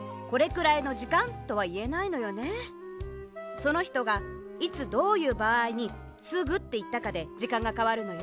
そのひとがいつどういうばあいに「すぐ」っていったかでじかんがかわるのよ。